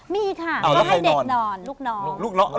มีค่ะก็ให้เด็กนอนลูกน้อง